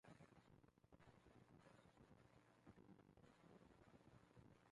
Luego fue a la Universidad del Norte de Illinois donde estudió drama.